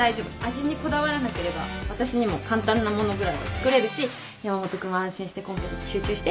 味にこだわらなければ私にも簡単な物ぐらいは作れるし山本君は安心してコンペに集中して。